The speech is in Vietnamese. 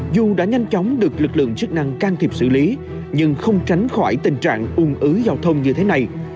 dù đã nhanh chóng được lực lượng chức năng can thiệp xử lý nhưng không tránh khỏi tình trạng ung ứ giao thông như thế này